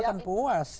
dia akan puas